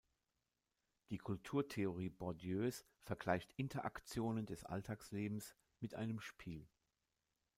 Die Kulturtheorie Bourdieus vergleicht Interaktionen des Alltagslebens mit einem Spiel.